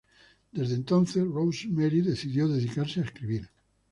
Desde entonces Rosemary decidió dedicarse a escribir.